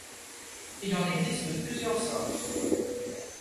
Il en existe de plusieurs sortes.